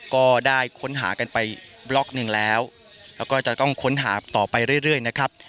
ก็ได้ค้นหากันไปบล็อกหนึ่งแล้วแล้วก็จะต้องค้นหาต่อไปเรื่อยนะครับ